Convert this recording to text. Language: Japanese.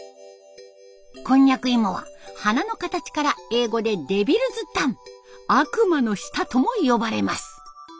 こんにゃく芋は花の形から英語で「デビルズタン」「悪魔の舌」とも呼ばれます。